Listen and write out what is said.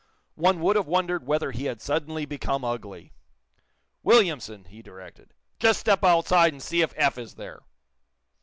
One would have wondered whether he had suddenly become ugly. "Williamson," he directed, "just step outside and see if Eph is there!"